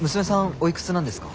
おいくつなんですか？